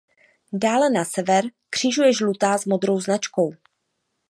Dále na sever křižuje žlutá s modrou značkou.